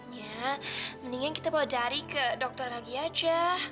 nya mendingan kita bawa dari ke dokter lagi aja